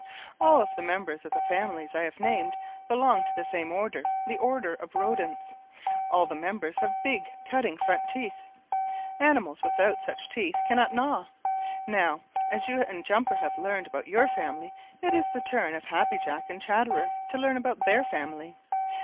All the members of all the families I have named belong to the same order, the order of Rodents. All the members have big, cutting, front teeth. Animals without such teeth cannot gnaw. Now, as you and Jumper have learned about your family, it is the turn of Happy Jack and Chatterer to learn about their family.